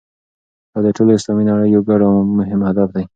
دا د ټولې اسلامي نړۍ یو ګډ او مهم هدف دی.